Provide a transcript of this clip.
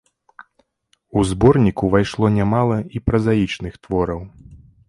У зборнік увайшло нямала і празаічных твораў.